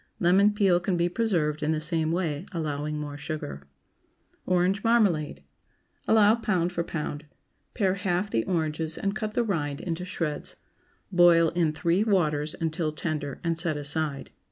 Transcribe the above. Lemon peel can be preserved in the same way, allowing more sugar. ORANGE MARMALADE. ✠ Allow pound for pound. Pare half the oranges and cut the rind into shreds. Boil in three waters until tender, and set aside.